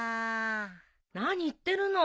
何言ってるの。